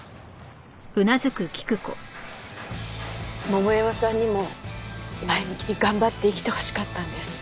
桃山さんにも前向きに頑張って生きてほしかったんです。